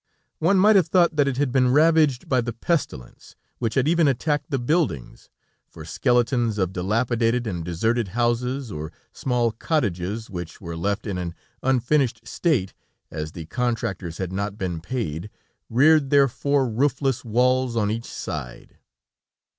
One might have thought that it had been ravaged by the pestilence, which had even attacked the buildings, for skeletons of dilapidated and deserted houses, or small cottages, which were left in an unfinished state, as the contractors had not been paid, reared their four roofless walls on each side.